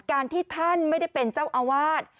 การที่ท่านไม่ได้เป็นเจ้าอาวาส